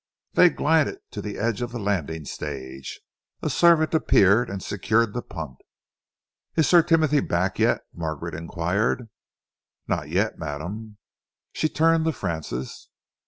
They glided to the edge of the landing stage. A servant appeared and secured the punt. "Is Sir Timothy back yet?" Margaret enquired. "Not yet, madam." She turned to Francis.